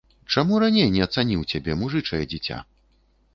Чаму раней не ацаніў цябе, мужычае дзіця?